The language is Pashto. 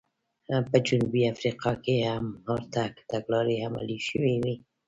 په جنوبي افریقا کې هم ورته تګلارې عملي شوې وې.